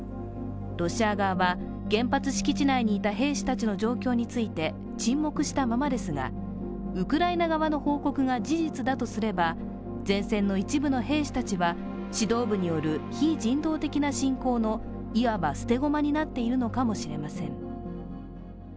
ロシア側は原発敷地内にいた兵士たちの状況について沈黙したままですがウクライナ側の報告が事実だとすれば前線の一部の兵士たちは指導部による非人道的な侵攻のいわば捨て駒になっているのかもしれません。